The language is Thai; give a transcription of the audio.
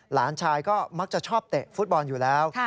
หลานชายก็มักจะชอบเตะฟุตบอลอยู่แล้ว